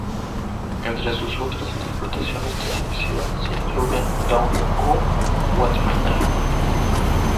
Entre sus otras interpretaciones televisivas se incluyen "Down You Go", "What's My Line?